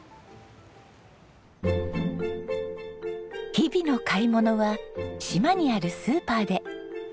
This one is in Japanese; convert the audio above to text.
日々の買い物は島にあるスーパーで。